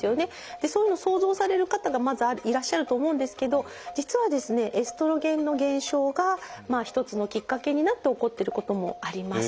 そういうの想像される方がまずいらっしゃると思うんですけど実はですねエストロゲンの減少が一つのきっかけになって起こってることもあります。